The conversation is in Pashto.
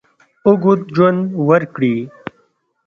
اوږد ژوند ورکړي.